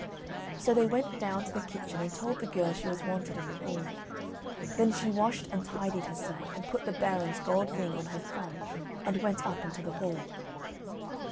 So they went down to the kitchen and told the girl she was wanted in the hall. Then she washed and tidied herself and put the Baron's gold ring on her thumb and went up into the hall.